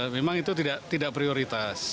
memang itu tidak prioritas